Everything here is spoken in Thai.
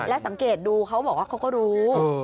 สังเกตดูเขาบอกว่าเขาก็รู้